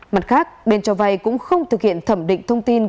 mặt khác bên cho vay cũng không thực hiện thẩm định thông tin